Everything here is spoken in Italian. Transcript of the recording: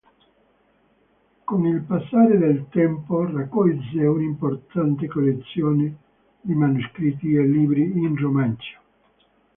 Con il passare del tempo raccolse un'importante collezione di manoscritti e libri in romancio.